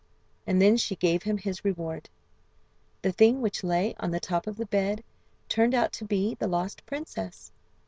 And then she gave him his reward. "The thing which lay on the top of the bed" turned out to be the lost princess.